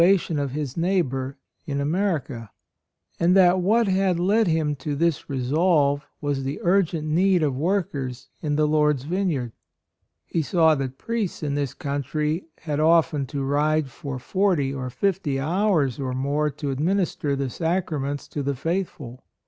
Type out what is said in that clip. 59 tion of his neighbor in America ; and that what had led him to this resolve was the urgent need of workers in the Lord's vine yard. He saw that priests in this country had often to ride for forty or fifty hours or more to administer the Sacraments to the faithful.